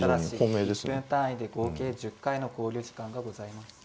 １分単位で合計１０回の考慮時間がございます。